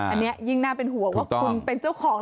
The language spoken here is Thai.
อันนี้ยิ่งน่าเป็นห่วงว่าคุณเป็นเจ้าของ